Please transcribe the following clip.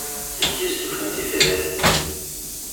Amek i as-d-tufam tifrat?